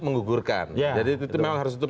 mengugurkan jadi itu memang harus tutup